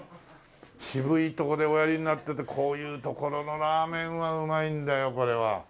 渋いとこでおやりになっててこういう所のラーメンはうまいんだよこれは。ねえ。